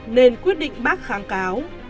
nên quyết định bác kháng cáo